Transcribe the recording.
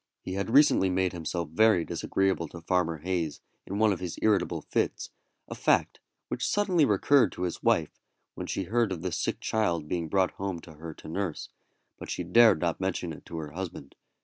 He had recently made himself very disagreeable to Farmer Hayes in one of his irritable fits, a fact which suddenly recurred to his wife when she heard of the sick child being brought home to her to nurse, but she dared not mention it to her husband.